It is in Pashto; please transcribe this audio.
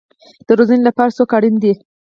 د روزنې لپاره څوک اړین دی؟